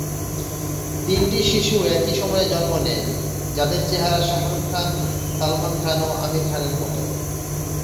তিনটি শিশু একই সময়ে জন্ম নেয়, যাদের চেহারা শাহরুখ খান, সালমান খান ও আমির খানের মত।